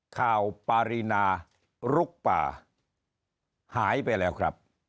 ข่าวปารีนาลุกป่าหายไปแล้วครับ